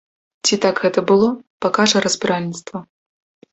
Ці так гэта было, пакажа разбіральніцтва.